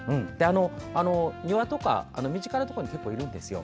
庭とか身近なところに結構いるんですよ。